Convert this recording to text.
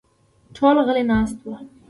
ټول غلي ناست وو.